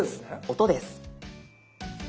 「音」です。